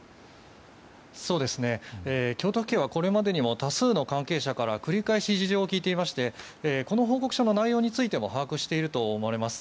京都府警はこれまでにも多数の関係者から繰り返し事情を聴いていましてこの報告書の内容についても把握していると思われます。